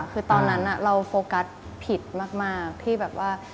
คือตอนนั้นเราโฟกัสผิดมากที่แบบว่า